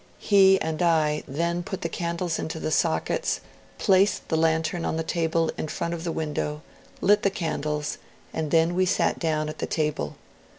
He and I then put the candles into the sockets, placed the lantern on the table in front of the window, lit the candles, and then we sat down at the table.